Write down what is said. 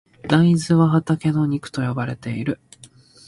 大豆は畑の肉と呼ばれている。